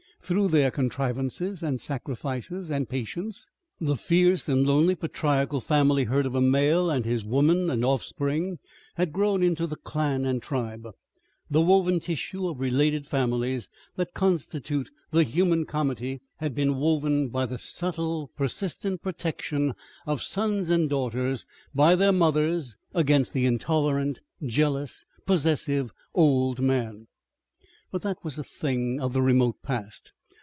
Through their contrivances and sacrifices and patience the fierce and lonely patriarchal family herd of a male and his women and off spring had grown into the clan and tribe; the woven tissue of related families that constitute the human comity had been woven by the subtle, persistent protection of sons and daughters by their mothers against the intolerant, jealous, possessive Old Man. But that was a thing, of the remote past.